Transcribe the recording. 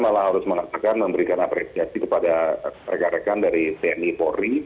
malah harus mengatakan memberikan apresiasi kepada rekan rekan dari tni polri